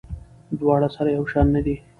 دواړه سره یو شان نه دي.